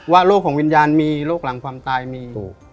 ว่าโลกของวิญญาณมีโลกหลังความตายมี